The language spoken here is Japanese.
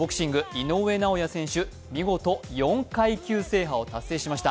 井上尚弥選手、見事、４階級制覇を達成しました。